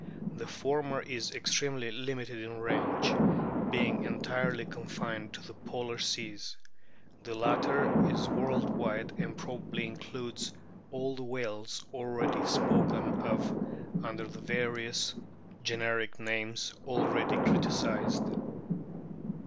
The former is extremely limited in range, being entirely confined to the polar seas ; the latter is world wide, and probably includes all the whales already spoken of under the various generic names already criticised.